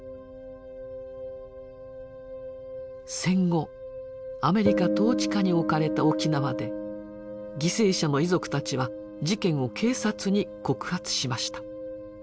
戦後アメリカ統治下に置かれた沖縄で犠牲者の遺族たちは事件を警察に告発しました。